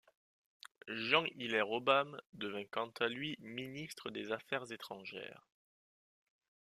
Jean-Hilaire Aubame devint quant à lui ministre des Affaires étrangères.